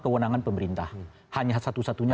kewenangan pemerintah hanya satu satunya